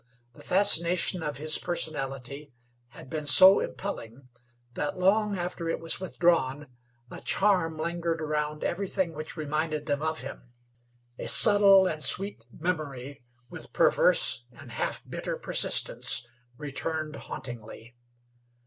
The fascination of his personality had been so impelling that long after it was withdrawn a charm lingered around everything which reminded them of him; a subtle and sweet memory, with perverse and half bitter persistence, returned hauntingly.